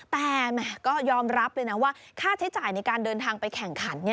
แต่แหมก็ยอมรับเลยนะว่าค่าใช้จ่ายในการเดินทางไปแข่งขัน